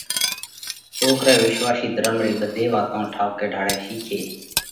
سوڪرئہ وِشواسِي ڌرم ري ٻڌي واتون ٺائُوڪئہ ڍاۯئہ شِيکي